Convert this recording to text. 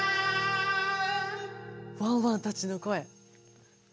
ワンワンたちのこえ。